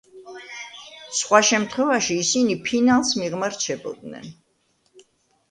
სხვა შემთხვევაში ისინი ფინალს მიღმა რჩებოდნენ.